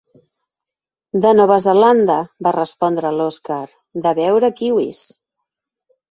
De Nova Zelanda —va respondre l'Oskar—, de veure kiwis!